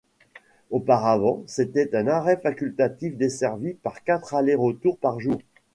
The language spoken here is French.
Auparavant, c'était un arrêt facultatif desservi par quatre aller-retours par jour.